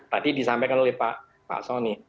tadi disampaikan oleh pak soni